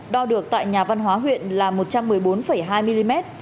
đo được tại nhà văn hóa huyện là một trăm một mươi bốn hai mm